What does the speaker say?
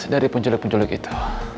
dari penculik penculik itu